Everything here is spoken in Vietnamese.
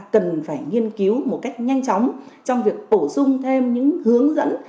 cần phải nghiên cứu một cách nhanh chóng trong việc bổ sung thêm những hướng dẫn